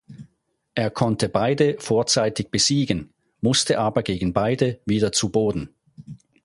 Er konnte beide vorzeitig besiegen, musste aber gegen beide wieder zu Boden.